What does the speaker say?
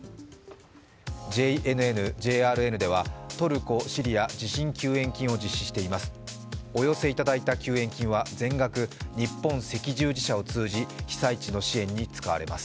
ＪＮＮ・ＪＲＮではトルコ・シリア地震救援金を実施しています。